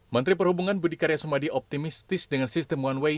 menteri perhubungan budi karya sumadi optimistis dengan sistem one way